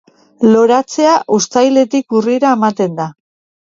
Loratzea uztailetik urrira ematen da.